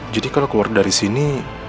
kalau keluar dari sini